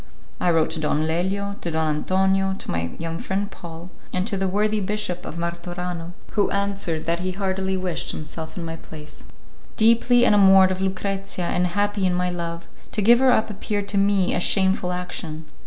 I wrote to Don Lelio, to Don Antonio, to my young friend Paul, and to the worthy Bishop of Martorano, who answered that he heartily wished himself in my place. Deeply enamoured of Lucrezia and happy in my love, to give her up appeared to me a shameful action.